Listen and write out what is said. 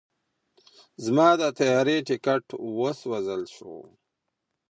زما د طیارې ټیکټ وسوځل شو.